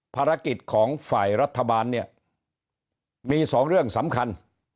ภารกิจของฝ่ายรัฐบาลเนี่ยมีสองเรื่องสำคัญ